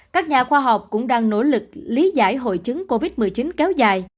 các nhà khoa học cũng đang nỗ lực lý giải hội chứng covid một mươi chín kéo dài